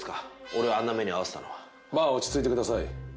俺をあんな目に遭わせたのはまあ落ち着いてください